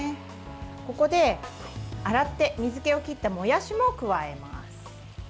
ここで、洗って水けを切ったもやしも加えます。